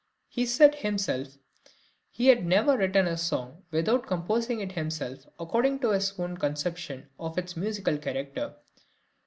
He said himself he had never written a song without composing it himself, according to his own conception of its musical character.